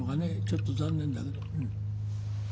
ちょっと残念だけど。